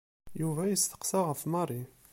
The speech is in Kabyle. Yuba yesteqsa ɣef Mary.